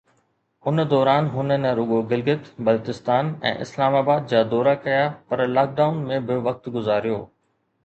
ان دوران هن نه رڳو گلگت، بلستان ۽ اسلام آباد جا دورا ڪيا پر لاڪ ڊائون ۾ به وقت گذاريو.